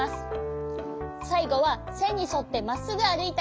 さいごはせんにそってまっすぐあるいたらゴールだよ。